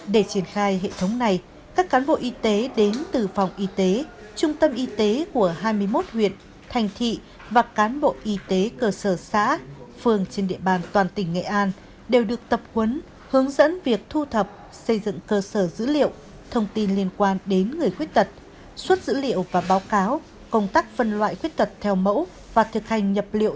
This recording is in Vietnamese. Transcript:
để triển khai hệ thống này các cán bộ y tế đến từ phòng y tế trung tâm y tế của hai mươi một huyện thành thị và cán bộ y tế cơ sở xã phường trên địa bàn toàn tỉnh nghệ an đều được tập quấn hướng dẫn việc thu thập xây dựng cơ sở dữ liệu thông tin liên quan đến người khuyết tật xuất dữ liệu và báo cáo công tác phân loại khuyết tật theo mẫu và thực hành nhập liệu